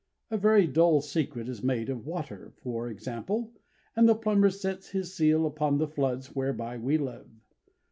A very dull secret is made of water, for example, and the plumber sets his seal upon the floods whereby we live.